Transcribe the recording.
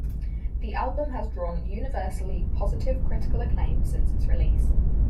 The album has drawn universally positive critical acclaim since its release.